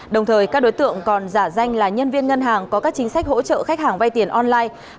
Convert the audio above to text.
đồng thời các đối tượng còn giả danh là nhân viên ngân hàng có các chính sách hỗ trợ khách hàng vay tiền online